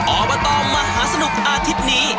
อบตมหาสนุกอาทิตย์นี้